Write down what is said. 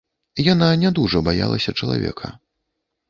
Яна не дужа баялася чалавека.